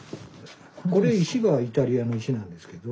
これ石がイタリアの石なんですけど。